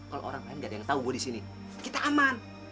kalau orang lain gak ada yang tau gue disini kita aman